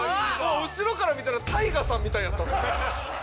後ろから見たらＴＡＩＧＡさんみたいやったな。